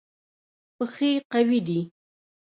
پښې قوي دي.